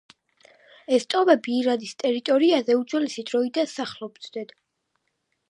ეს ტომები ირანის ტერიტორიაზე უძველესი დროიდან სახლობდნენ.